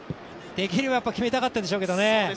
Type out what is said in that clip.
できれば決めたかったでしょうけど